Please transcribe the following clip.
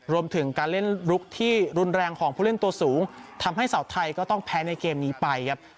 รวมถึงการเล่นลุกที่รุนแรงของผู้เล่นตัวสูงทำให้สาวไทยก็ต้องแพ้ในเกมนี้ไปครับ